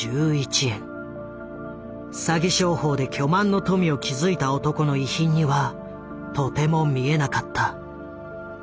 詐欺商法で巨万の富を築いた男の遺品にはとても見えなかった。